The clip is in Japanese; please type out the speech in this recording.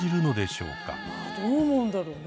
どう思うんだろうね。